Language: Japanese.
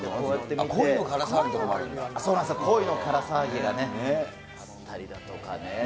恋のから騒ぎがね。あったりだとかね。